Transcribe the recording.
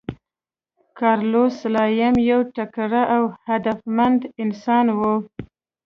کارلوس سلایم یو تکړه او هدفمند انسان و.